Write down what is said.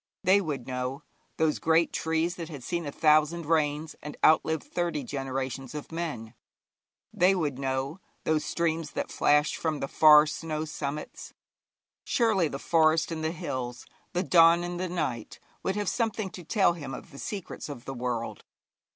They would know, those great trees that had seen a thousand rains, and outlived thirty generations of men; they would know, those streams that flashed from the far snow summits; surely the forest and the hills, the dawn and the night, would have something to tell him of the secrets of the world.